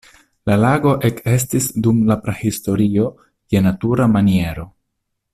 La lago ekestis dum la prahistorio je natura maniero.